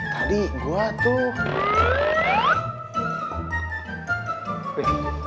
tadi gue tuh